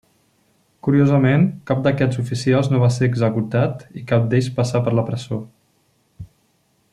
Curiosament, cap d'aquests oficials no va ser executat, i cap d'ell passà per la presó.